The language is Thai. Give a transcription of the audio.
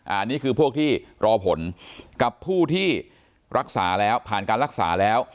อันนี้คือพวกที่รอผลกับผู้ที่รักษาแล้วผ่านการรักษาแล้ว